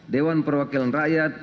dewan perwakilan rakyat